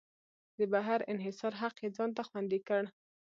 د بهر انحصار حق یې ځان ته خوندي کړ.